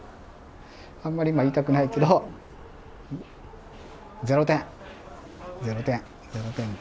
あんまり言いたくないけど０点。